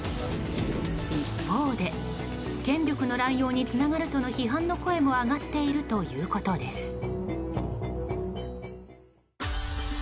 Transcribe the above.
一方で、権力の乱用につながるとの批判の声も上がっているということです。